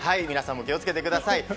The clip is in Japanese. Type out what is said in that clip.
皆さんも気をつけてください。